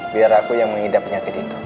biar aku yang mengidap penyakit itu